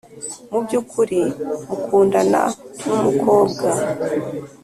mubyukuri mukundana numukobwa